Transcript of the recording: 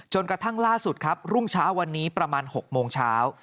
กระทั่งล่าสุดครับรุ่งเช้าวันนี้ประมาณ๖โมงเช้า